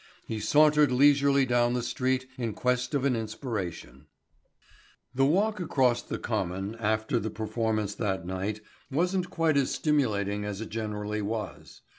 He sauntered leisurely down the street in quest of an inspiration. The walk across the Common after the performance that night wasn't quite as stimulating as it generally was.